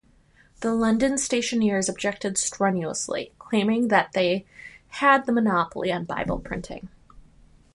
The London Stationers objected strenuously, claiming that they had the monopoly on Bible printing.